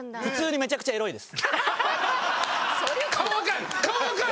めちゃくちゃエロいです。